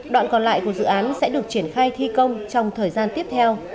đoạn còn lại của dự án sẽ được triển khai thi công trong thời gian tiếp theo